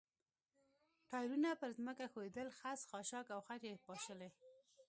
ټایرونه پر ځمکه ښویېدل، خس، خاشاک او خټې یې پاشلې.